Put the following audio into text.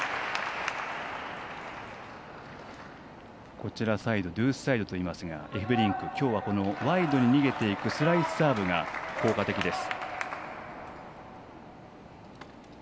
こちらデュースサイドといいますがエフベリンクきょうはワイドに逃げていくスライスサーブが効果的です。